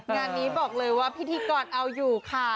งานนี้บอกเลยว่าพิธีกรเอาอยู่ค่ะ